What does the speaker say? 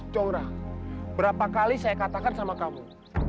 jang rang berapa kali saya katakan sama kamu